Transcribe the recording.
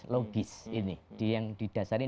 logis ini yang didasarkan